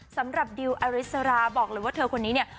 สำหรับดิวอริสราบอกเลยว่าเธอคนนี้เนี่ย